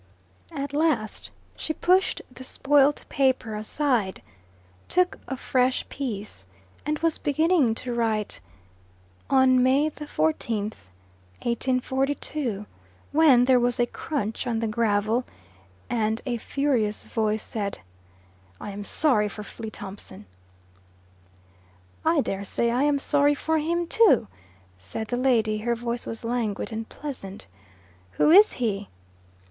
At last she pushed the spoilt paper aside, took afresh piece, and was beginning to write, "On May the 14th, 1842," when there was a crunch on the gravel, and a furious voice said, "I am sorry for Flea Thompson." "I daresay I am sorry for him too," said the lady; her voice was languid and pleasant. "Who is he?"